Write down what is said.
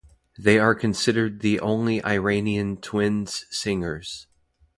They are considered the only Iranian twins singers.